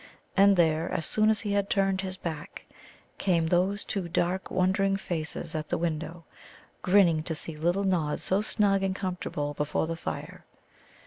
And there, as soon as he had turned his back, came those two dark wondering faces at the window, grinning to see little Nod so snug and comfortable before the fire.